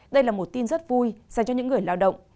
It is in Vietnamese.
đây là một tin rất vui dành cho những người lao động